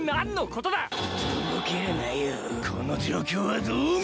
この状況はどう見ても。